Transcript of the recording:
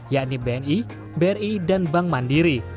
yakni bni bri dan bank mandiri